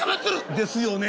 「ですよね